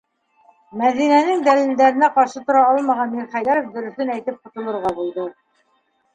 Мәҙинәнең дәлилдәренә ҡаршы тора алмаған Мирхәйҙәров дөрөҫөн әйтеп ҡотолорға булды: